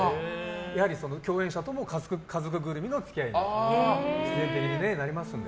やはり共演者とも家族ぐるみの付き合いになって。